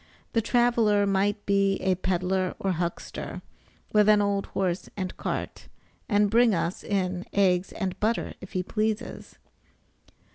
The traveler might be a peddler or huckster, with an old horse and cart, and bring us in eggs and butter if he pleases.